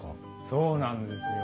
そうなんですよ。